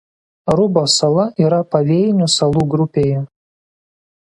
Arubos sala yra Pavėjinių salų grupėje.